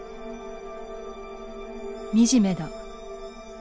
惨めだ。